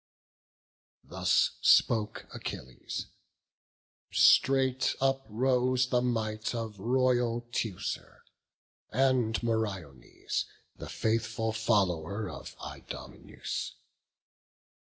Thus spoke Achilles; straight uprose the might Of royal Teucer, and Meriones, The faithful follower of Idomeneus.